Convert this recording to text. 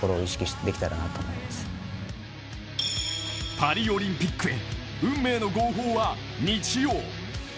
パリオリンピックへ運命の号砲は日曜。